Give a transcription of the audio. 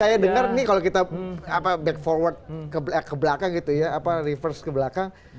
saya dengar nih kalau kita back forward ke belakang gitu ya reverse ke belakang